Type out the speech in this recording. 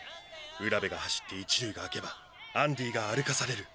卜部が走って一塁が空けばアンディが歩かされる。